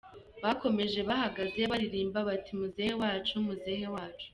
Bakomeje bahagaze baririmba bati ‘Muzehe wacu, Muzehe wacu !